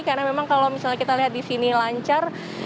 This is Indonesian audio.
karena memang kalau misalnya kita lihat di sini lancar